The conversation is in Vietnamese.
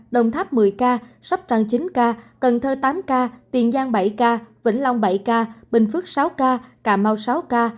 đồng tháp một mươi ca sóc trăng chín ca cần thơ tám ca tiền giang bảy ca vĩnh long bảy ca bình phước sáu ca cà mau sáu ca